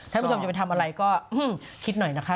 ท่านผู้ชมจะไปทำอะไรก็คิดหน่อยนะคะ